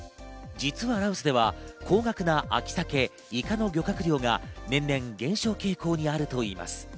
実は羅臼では高額な秋サケ、イカの漁獲量が年々減少傾向にあるといいます。